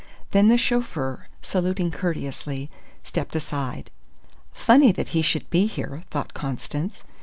Then the chauffeur, saluting courteously, stepped aside. "Funny that he should be here!" thought Constance.